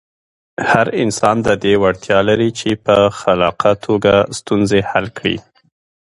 هر انسان د دې وړتیا لري چې په خلاقه توګه ستونزې حل کړي.